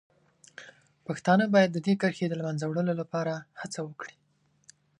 پښتانه باید د دې کرښې د له منځه وړلو لپاره هڅه وکړي.